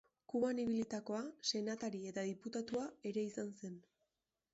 Kuban ibilitakoa, senatari eta diputatua ere izan zen.